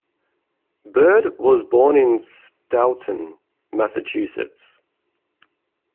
Bird was born in Stoughton, Massachusetts.